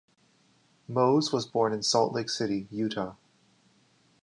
Mose was born in Salt Lake City, Utah.